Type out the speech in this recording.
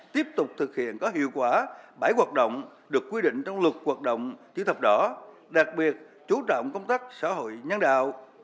tiếp tục thực hiện có hiệu quả bảy hoạt động được quy định trong luật hoạt động chữ thập đỏ đặc biệt chú trọng công tác xã hội nhân đạo